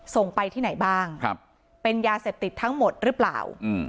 ส่งไปที่ไหนบ้างเป็นยาเสพติดทั้งหมดหรือเปล่า